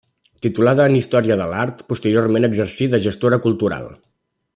Titulada en Història de l'Art, posteriorment exercí de gestora cultural.